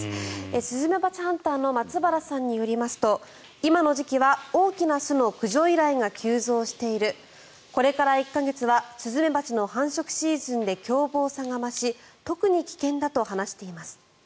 スズメバチハンターの松原さんによりますと今の時期は大きな巣の駆除依頼が急増しているこれから１か月はスズメバチの繁殖シーズンで凶暴さが増し特に危険だと話しています。